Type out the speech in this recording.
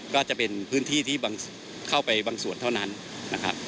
ก็จะเป็นพื้นที่ที่เข้าไปบางส่วนเท่านั้นนะครับ